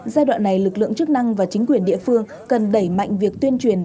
giai đoạn này lực lượng chức năng và chính quyền địa phương cần đẩy mạnh việc tuyên truyền